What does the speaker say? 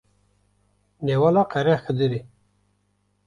Newala Qerexidirê